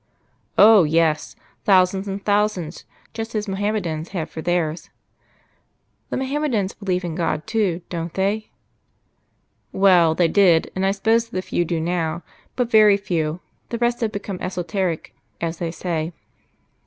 "Oh! yes. Thousands and thousands. Just as Mohammedans have for theirs." "The Mohammedans believe in God, too, don't they?" "Well, they did, and I suppose that a few do now. But very few: the rest have become esoteric, as they say."